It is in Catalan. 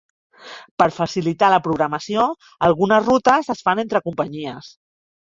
Per facilitar la programació, algunes rutes es fan entre companyies.